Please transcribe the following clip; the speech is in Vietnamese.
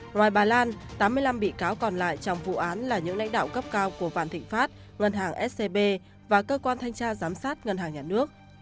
ngoài bà lan tám mươi năm bị cáo còn lại trong vụ án là những lãnh đạo cấp cao của vạn thịnh pháp ngân hàng scb và cơ quan thanh tra giám sát ngân hàng nhà nước